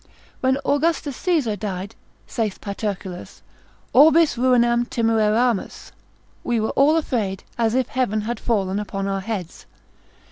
When Augustus Caesar died, saith Paterculus, orbis ruinam timueramus, we were all afraid, as if heaven had fallen upon our heads.